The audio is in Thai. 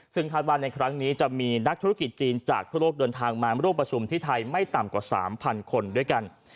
ซึ่งคาดว่าในครั้งนี้จะมีนักธุรกิจจีนจากทั่วโลกเดินทางมาร่วมประชุมที่ไทยไม่ต่ำกว่า๓๐๐คนด้วยกัน